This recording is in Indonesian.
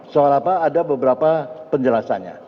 soal apa ada beberapa penjelasannya